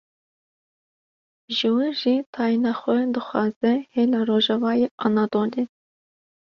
ji wir jî tayîna xwe dixwaze hêla rojavayê Anadolê